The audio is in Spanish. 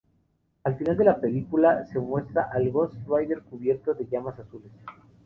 Al final de la película, se muestra al Ghost Rider cubierto de llamas azules.